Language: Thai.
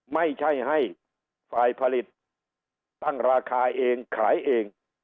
ไม่ใช่ให้ฝ่ายผลิตตั้งราคาเองขายเอง